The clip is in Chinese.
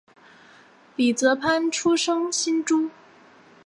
李泽藩出生新竹